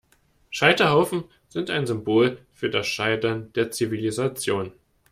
Scheiterhaufen sind ein Symbol für das Scheitern der Zivilisation.